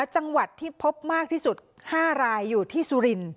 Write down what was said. จังหวัดที่พบมากที่สุด๕รายอยู่ที่สุรินทร์